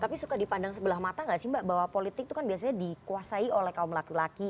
tapi suka dipandang sebelah mata gak sih mbak bahwa politik itu kan biasanya dikuasai oleh kaum laki laki